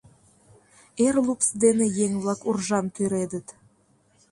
Эр лупс дене еҥ-влак уржам тӱредыт.